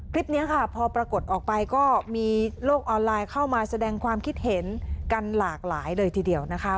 คลิปนี้ค่ะพอปรากฏออกไปก็มีโลกออนไลน์เข้ามาแสดงความคิดเห็นกันหลากหลายเลยทีเดียวนะคะ